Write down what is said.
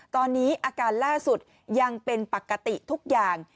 ตอนนี้อาการล่าสุดยังเป็นปกติทุกอย่าง